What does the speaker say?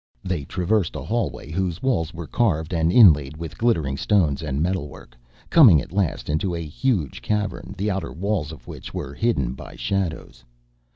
They traversed a hallway whose walls were carved and inlaid with glittering stones and metalwork, coming, at last, into a huge cavern, the outer walls of which were hidden by shadows.